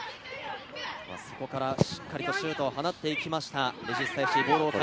そこからしっかりとシュートを放っていきました。